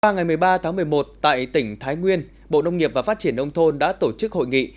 qua ngày một mươi ba tháng một mươi một tại tỉnh thái nguyên bộ nông nghiệp và phát triển nông thôn đã tổ chức hội nghị